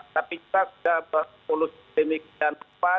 tapi kita sudah berkulus dinik dan sempat